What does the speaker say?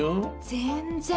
全然。